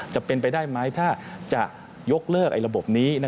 จะเป็นไปได้ไหมถ้าจะยกเลิกระบบนี้